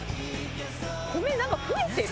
米なんか増えてる？